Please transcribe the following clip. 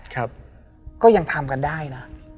ก็ยังทำกันได้นะ